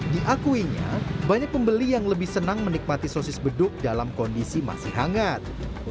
diakuinya banyak pembeli yang lebih senang menikmati sosis beduk dalam kondisi masih hangat